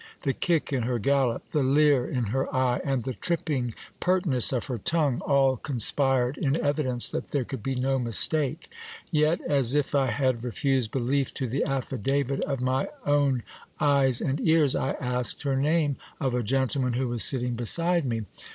The kick in her gallop, the leer in her eye, and the tripping pertness of her tongue, all conspired in evidence that there could be no mistake. Yet, as if I had re fused belief to the affidavit of my own eyes and ears, I asked her name of a gentleman who was sitting beside me.